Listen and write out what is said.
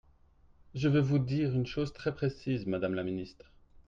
Je veux vous dire une chose très précise, madame la ministre.